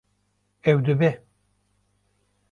Ew dibe